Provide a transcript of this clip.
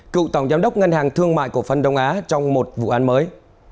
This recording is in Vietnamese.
cựu tổng giám đốc ngân hàng thương mại cổ phân đông á trong một vụ án mới